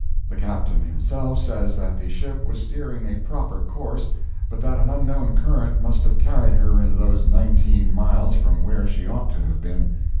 The Captain himself says that the ship was steering a proper course, but that an unknown current must have carried her in those nineteen miles from where she ought to have been.